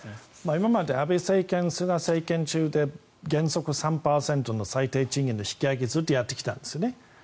今まで安倍政権、菅政権で原則３％の最低賃金の引き上げをずっとやってきたんですね。